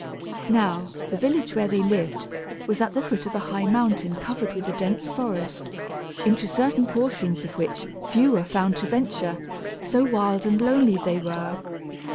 Now, the village where they lived was at the foot of a high mountain covered with a dense forest, into certain portions of which few were found to venture, so wild and lonely they were.